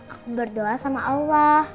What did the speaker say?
aku berdoa sama allah